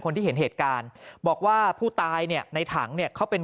คนที่เห็นเหตุการณ์บอกว่าผู้ตายเนี่ยในถังเนี่ยเขาเป็น